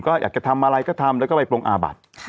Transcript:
ก็อยากจะทำอะไรก็ทำแล้วก็ไปปรงอาบัติ